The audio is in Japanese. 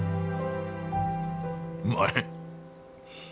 うまい。